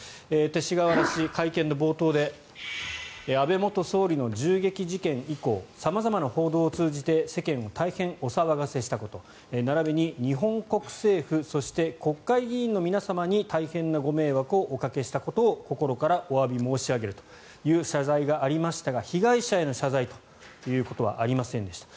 勅使河原氏、会見の冒頭で安倍元総理の銃撃事件以降様々な報道を通じて世間を大変お騒がせしたこと並びに日本国政府そして国会議員の皆様に大変なご迷惑をおかけしたことを心からおわび申し上げるという謝罪がありましたが被害者への謝罪ということはありませんでした。